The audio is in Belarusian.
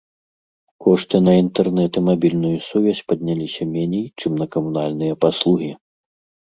Кошты на інтэрнэт і мабільную сувязь падняліся меней, чым на камунальныя паслугі.